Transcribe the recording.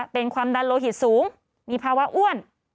เป็นความดันโลหิตสูงมีภาวะอ้วน